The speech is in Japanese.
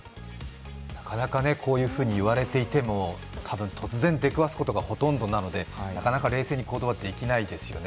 なかなかこういうふうにいわれていても多分、突然出くわすことがほとんどなのでなかなか冷静に行動はできないですよね。